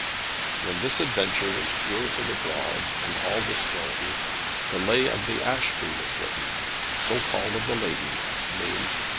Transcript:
When this adventure was bruited abroad, and all the story, the Lay of the Ash Tree was written, so called of the lady, named Frêne.